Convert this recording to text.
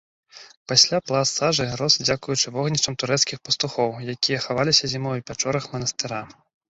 Пасля пласт сажы рос дзякуючы вогнішчам турэцкіх пастухоў, якія хаваліся зімой у пячорах манастыра.